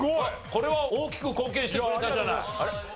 これは大きく貢献してくれたじゃない。